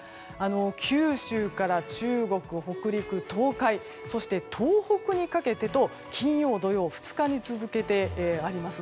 九州から中国北陸・東海そして東北にかけてと金曜、土曜２日続けてあります。